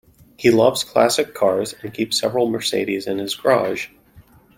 He loves classic cars, and keeps several Mercedes in his garage